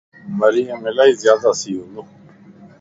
مريم الائي زياداسي ھوندو